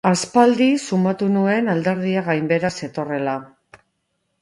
Aspaldi sumatu nuen alderdia gainbehera zetorrela.